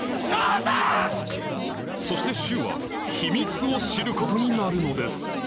そして柊は「秘密」を知ることになるのです